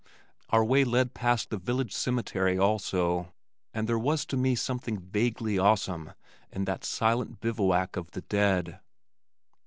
Our way led past the village cemetery also, and there was to me something vaguely awesome in that silent bivouac of the dead.